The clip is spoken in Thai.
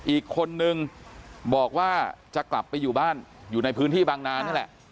อีกคนนึงบอกว่าจะกลับไปอยู่บ้านอยู่ในพื้นที่บางนานี่แหละ